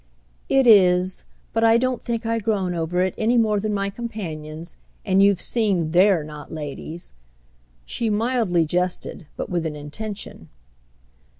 "It is, but I don't think I groan over it any more than my companions—and you've seen they're not ladies!" She mildly jested, but with an intention.